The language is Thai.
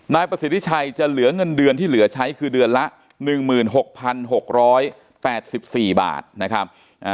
นายประสิทธิชัยจะเหลือเงินเดือนที่เหลือใช้คือเดือนละ๑๖๖๘๔บาทนะครับ